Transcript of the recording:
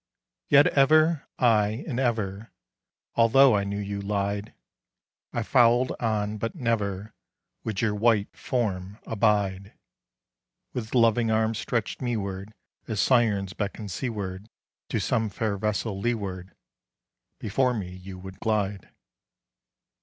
Yet ever, aye, and ever, Although I knew you lied, I followed on, but never Would your white form abide: With loving arms stretched meward, As Sirens beckon seaward To some fair vessel leeward, Before me you would glide.